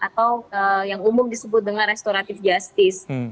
atau yang umum disebut dengan restoratif justice